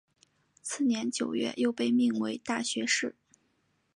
次年九月又被命为大学士。